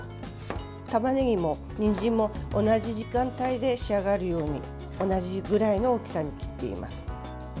たまねぎもにんじんも同じ時間帯で仕上がるように同じぐらいの大きさに切っています。